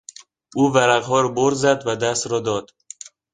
او ورقها را بر زد و دست را داد.